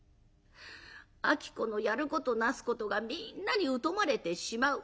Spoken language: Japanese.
子のやることなすことがみんなに疎まれてしまう。